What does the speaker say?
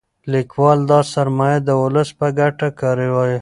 لیکوال دا سرمایه د ولس په ګټه کاروي.